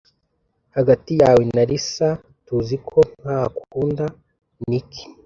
Hagati yawe na Lisa, tuzi ko ntakunda Nick.